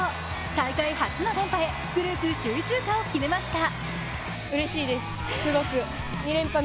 大会初の連覇へ、グループ首位通過を決めました。